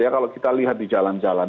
ya kalau kita lihat di jalan jalan